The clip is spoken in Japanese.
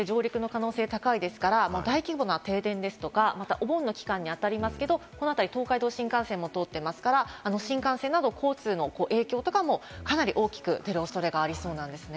特に大都市圏で接近する可能性、上陸の可能性が高いですから、大規模な停電ですとか、お盆の期間にあたりますけれども、東海道新幹線も通ってますから、新幹線など交通の影響もかなり大きく出る恐れがありそうなんですね。